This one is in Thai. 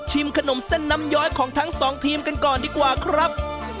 ขนมเส้นน้ำย้อยของทั้งสองทีมกันก่อนดีกว่าครับ